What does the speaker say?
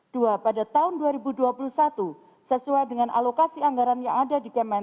dua pada tahun dua ribu dua puluh satu sesuai dengan alokasi anggaran yang ada di kemen